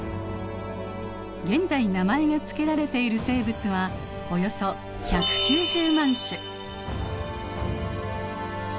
現在名前が付けられている生物はおよそ１９０万種。